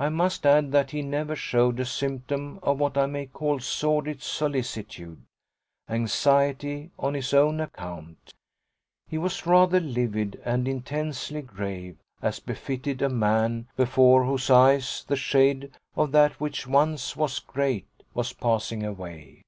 I must add that he never showed a symptom of what I may call sordid solicitude anxiety on his own account. He was rather livid and intensely grave, as befitted a man before whose eyes the "shade of that which once was great" was passing away.